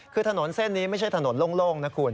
คือถนนเส้นนี้ไม่ใช่ถนนโล่งนะคุณ